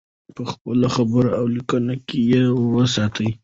په خپلو خبرو او لیکنو کې یې وساتو.